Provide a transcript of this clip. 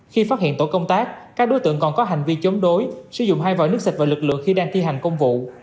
khi phát hiện tổ công tác các đối tượng còn có hành vi chống đối sử dụng hai vòi nước xịt và lực lượng khi đang thi hành công vụ